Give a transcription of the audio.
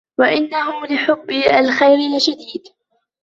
وَإِنَّهُ لِحُبِّ الخَيرِ لَشَديدٌ